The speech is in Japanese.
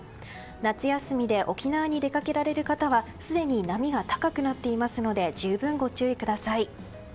夏休みで沖縄に出かけられる方はすでに波が高くなっていますので十分ご注意ください。